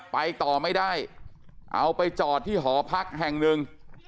ไปต่อไม่ได้เอาไปจอดที่หอพักแห่งหนึ่ง